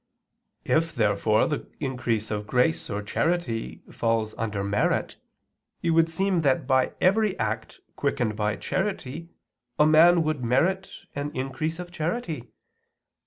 If, therefore, the increase of grace or charity falls under merit, it would seem that by every act quickened by charity a man would merit an increase of charity.